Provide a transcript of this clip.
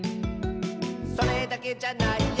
「それだけじゃないよ」